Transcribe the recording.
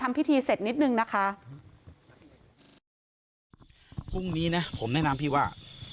พิธีเสร็จนิดนึงนะคะพรุ่งนี้นะผมแนะนำพี่ว่า